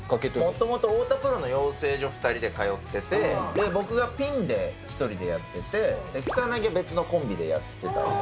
もともと太田プロの養成所、２人で通ってて、僕がピンで１人でやってて、草薙は別のコンビでやってたんですね。